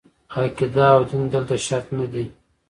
عقیده او دین دلته شرط نه دي.